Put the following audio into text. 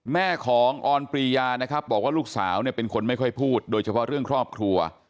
แม่ของออนปรียานะครับบอกว่าลูกสาวเนี่ยเป็นคนไม่ค่อยพูดโดยเฉพาะเรื่องครอบครัว